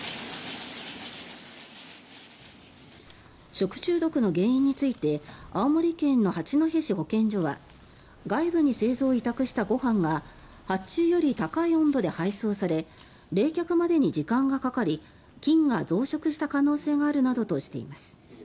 食中毒の原因について青森県の八戸市保健所は外部に製造を委託したご飯が発注より高い温度で配送され冷却までに時間がかかり菌が増殖した可能性があるなどとしています。